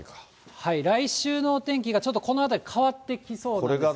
来週のお天気が、ちょっとこのあたり変わってきそうなんですね。